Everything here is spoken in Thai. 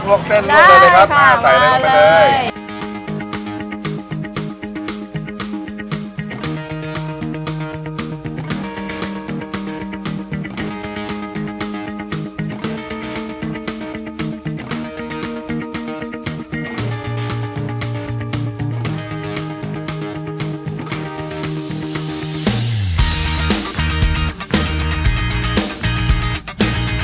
รวบเต้นรวบเลยเลยครับอ่าใส่อะไรลงไปเลย